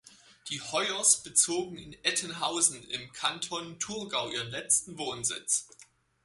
Die Hoyers bezogen in Ettenhausen im Kanton Thurgau ihren letzten Wohnsitz.